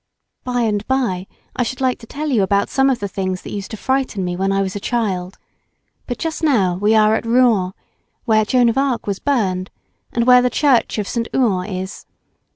By and by I should like to tell you about some of the things that used to frighten me when I was a child; but just now we are at Rouen where Joan of Arc was burned and where the church of St. Ouen is.